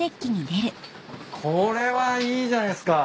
これはいいじゃないっすか。